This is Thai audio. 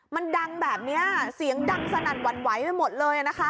มันดังแบบนี้เสียงดังสนั่นหวั่นไหวไปหมดเลยนะคะ